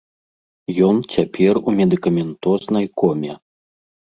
Ён цяпер у медыкаментознай коме.